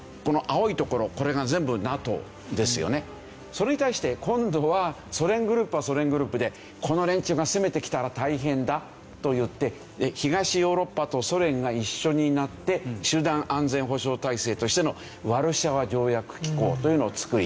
それに対して今度はソ連グループはソ連グループでこの連中が攻めてきたら大変だといって東ヨーロッパとソ連が一緒になって集団安全保障体制としてのワルシャワ条約機構というのを作り